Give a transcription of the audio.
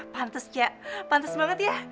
pantes cak pantes banget ya